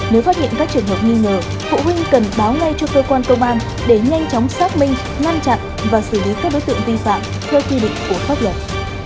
nếu phát hiện các trường hợp nghi ngờ phụ huynh cần báo ngay cho cơ quan công an để nhanh chóng xác minh ngăn chặn và xử lý các đối tượng vi phạm theo quy định của pháp luật